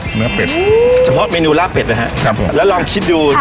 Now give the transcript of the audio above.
สำหรับเมนูลาเพ็ดแล้วครับครับผมแล้วลองคิดดูค่ะ